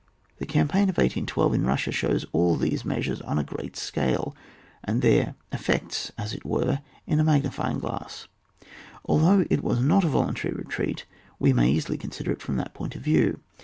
The campaign of 1812 in Hussia shows all these measures on a great scale, and their effects, as it were, in a magnifying glass. Although it was not a voluntary retreat, we may easily consider it from that point of view.